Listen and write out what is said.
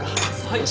はい。